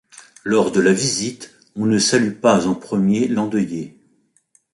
Lors de la visite, on ne salue pas en premier l'endeuillé.